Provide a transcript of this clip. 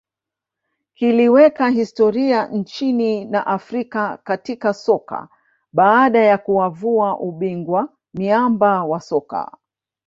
kiliweka historia nchini na Afrika katika soka baada ya kuwavua ubingwa miamba wa soka